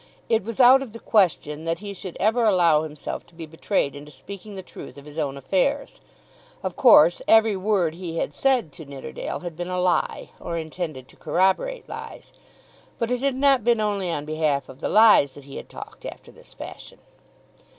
It was out of the question that he should ever allow himself to be betrayed into speaking the truth of his own affairs. Of course every word he had said to Nidderdale had been a lie, or intended to corroborate lies. But it had not been only on behalf of the lies that he had talked after this fashion.